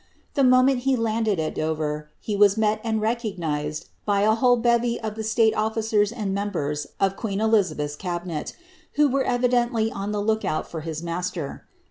The moment lie iModti at Dover, he was met anil recognised by a whole bevy of the xiBie offi cers and members of queen Elizabeth's cabinet, who were evitlrDtly no the look ont for his master.